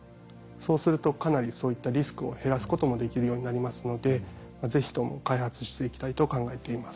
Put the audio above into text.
そうするとかなりそういったリスクを減らすこともできるようになりますので是非とも開発していきたいと考えています。